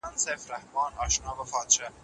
د پوهني په لاره کي ډېر خنډونه او ستونزي وي.